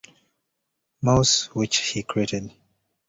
Mouse, which he created.